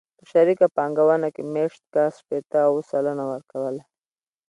په شریکه پانګونه کې مېشت کس شپېته اووه سلنه ورکوله.